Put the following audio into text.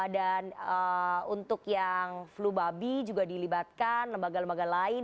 dan untuk yang flu babi juga dilibatkan lembaga lembaga lain